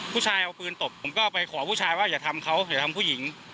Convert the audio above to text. ผู้ชายเอาปืนตบผมก็ไปขอผู้ชายว่าอย่าทำเขาอย่าทำผู้หญิง